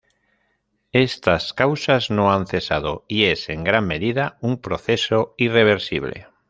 Estas causas no han cesado y es en gran medida un proceso irreversible.